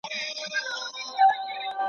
له بېلتونه به ژوندون راته سور اور سي ..